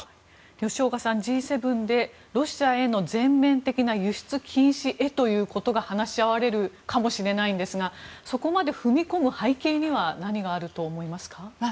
吉岡さん、Ｇ７でロシアへの全面的な輸出禁止へということが話し合われるかもしれないんですがそこまで踏み込む背景には何があると思いますか。